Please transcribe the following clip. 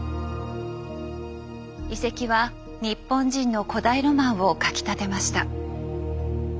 遺跡は日本人の古代ロマンをかきたてました。